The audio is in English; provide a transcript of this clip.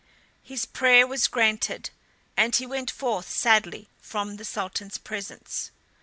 His prayer was granted, and he went forth sadly from the Sultan's presence.